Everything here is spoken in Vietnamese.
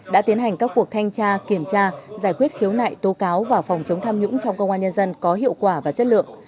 đã tiến hành các cuộc thanh tra kiểm tra giải quyết khiếu nại tố cáo và phòng chống tham nhũng trong công an nhân dân có hiệu quả và chất lượng